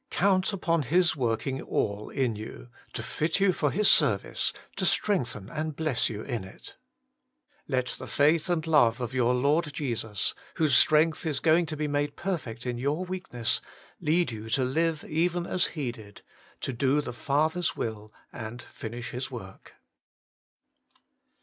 Count upon His working all in you, to fit you for His service, to strengthen and bless you in it. Let the faith and love Working for God 137 of your Lord Jesus, whose strength is going to be made perfect in your weakness, lead you to hve even as He did, to do the Father's will and finish His work.